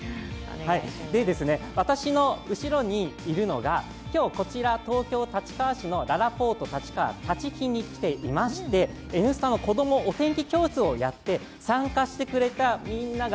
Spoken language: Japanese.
私の後ろにいるのが、今日こちら東京・立川市のららぽーと立飛に来ていますが「Ｎスタ」の子供お天気教室をやって参加してくれたみんなが